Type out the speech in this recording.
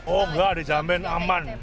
oh enggak dijamin aman